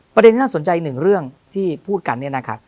ประเด็นที่น่าสนใจอีกหนึ่งเรื่องที่พูดกัน